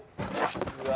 うわ。